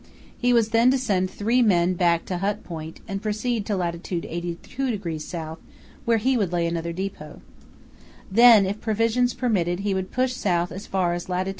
He was then to send three men back to Hut Point and proceed to lat. 82° S., where he would lay another depot. Then if provisions permitted he would push south as far as lat.